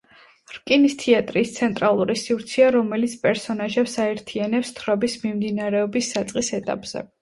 რკინის თეატრი ის ცენტრალური სივრცეა, რომელიც პერსონაჟებს აერთიანებს თხრობის მიმდინარეობის საწყის ეტაპზე.